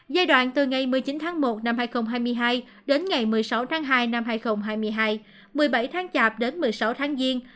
giai đoạn từ ngày một mươi chín tháng một năm hai nghìn hai mươi hai đến ngày một mươi sáu tháng hai năm hai nghìn hai mươi hai một mươi bảy tháng chạp đến một mươi sáu tháng giêng